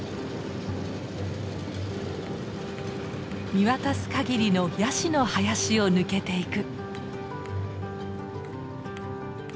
見渡すかぎりのヤシの林を抜けていく。